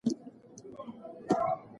که باران نه وای موږ به ښوونځي ته تللي وو.